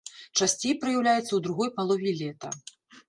Часцей праяўляецца ў другой палове лета.